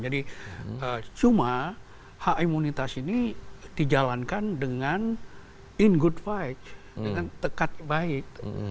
jadi cuma hak imunitas ini dijalankan dengan in good fight dengan tekat baik